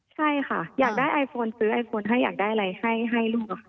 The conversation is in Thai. ใช่ค่ะอยากได้ไอโฟนซื้อไอโฟนให้อยากได้อะไรให้ลูกค่ะ